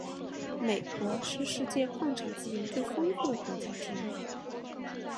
美国是世界矿产资源最丰富的国家之一。